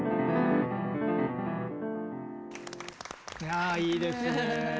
ああいいですね。